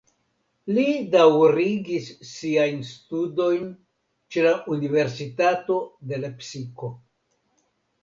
Li daŭrigis siajn studojn ĉe la Universitato de Lepsiko.